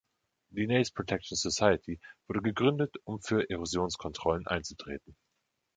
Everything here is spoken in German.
Die Naze Protection Society wurde gegründet, um für Erosionskontrollen einzutreten.